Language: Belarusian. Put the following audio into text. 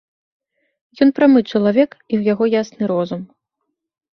Ён прамы чалавек, і ў яго ясны розум.